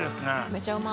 めちゃうま。